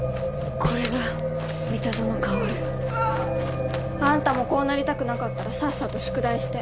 これが三田園薫？あんたもこうなりたくなかったらさっさと宿題して。